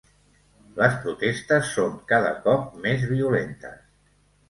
Les protestes són cada cop més violentes